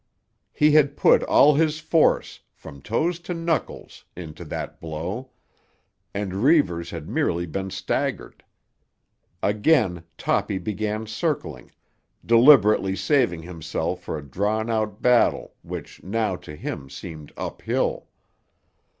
He had put all his force, from toes to knuckles, into that blow; and Reivers had merely been staggered. Again Toppy began circling, deliberately saving himself for a drawn out battle which now to him seemed uphill.